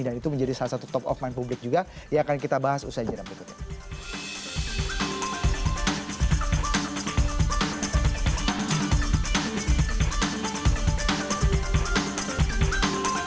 dan itu menjadi salah satu top of mind publik juga yang akan kita bahas usai jadwal berikutnya